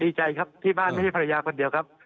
ดีใจครับที่บ้านไม่ใช่ภรรยาคนเดียวครับ